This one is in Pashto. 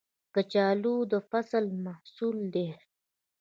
کچالو د فصل محصول دی